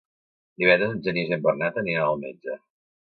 Divendres en Genís i en Bernat aniran al metge.